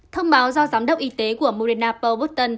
thông báo do giám đốc y tế của moderna paul buston